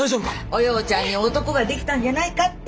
おようちゃんに男ができたんじゃないかって。